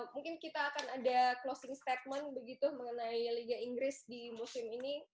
mungkin kita akan ada closing statement begitu mengenai liga inggris di musim ini